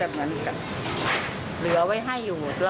เราก็เก็บไหน